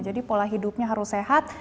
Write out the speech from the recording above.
pola hidupnya harus sehat